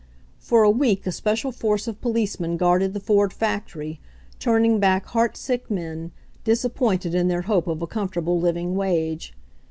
For a week a special force of policemen guarded the Ford factory, turning back heartsick men, disappointed in their hope of a comfortable living wage.